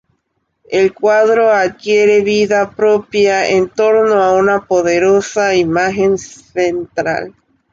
El cuadro adquiere vida propia, en torno a una poderosa imagen central.